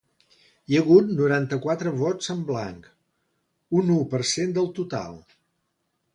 Hi ha hagut noranta-quatre vots en blanc, un u per cent del total.